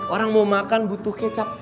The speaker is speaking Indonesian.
orang mau makan butuh kecap